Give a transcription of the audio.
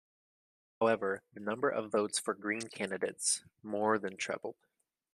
However, the number of votes for Green candidates more than trebled.